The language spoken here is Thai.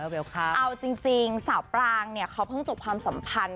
เอาจริงสาวปรางเนี่ยเขาเพิ่งจบความสัมพันธ์